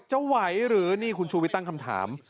จะไหวหรือนี่คุณชูวิทย์ตั้งคำถาม